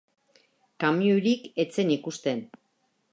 Kamioirik ez zen ikusten.